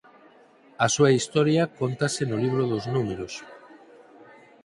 A súa historia cóntase no libro dos Números.